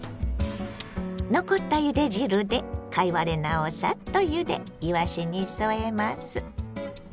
残ったゆで汁で貝割れ菜をサッとゆでいわしに添えます。